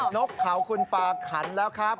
นกเขาคุณปาขันแล้วครับ